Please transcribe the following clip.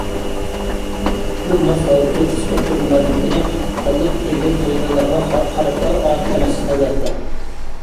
بۇ، ماس ھالدىكى قىسقا ئۇچۇر مۇلازىمىتىنى تاللاپ بېجىرگەن خېرىدارلارغا قارىتا ئادىل ئەمەس، ئەلۋەتتە.